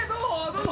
どう？